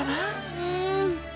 うん。